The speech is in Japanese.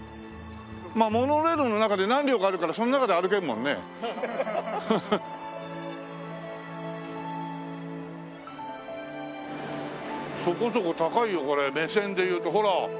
まあモノレールの中で何両かあるからその中で歩けるもんね。そこそこ高いよこれ目線で言うとほら。